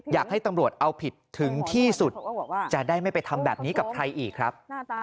อยากให้ตำรวจเอาผิดถึงที่สุดจะได้ไม่ไปทำแบบนี้กับใครอีกครับ